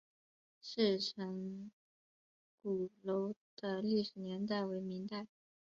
赤城鼓楼的历史年代为明代。